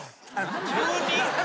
急に？